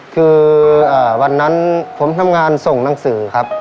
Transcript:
คือวันนั้นผมทำงานส่งหนังสือครับ